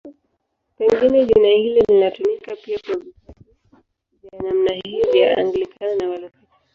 Pengine jina hilo linatumika pia kwa vitabu vya namna hiyo vya Anglikana na Walutheri.